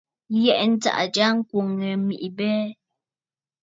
Yɛ̀ʼɛ̀ ntsaʼà jya ŋkwòŋ ŋghɛ mèʼê abɛɛ.